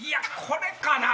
これかな？